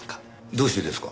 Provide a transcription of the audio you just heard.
どうしてですか？